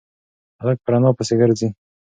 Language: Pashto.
هلک پر انا پسې گرځي.